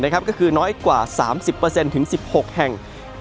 ก็คือน้อยกว่า๓๐๑๖แห่ง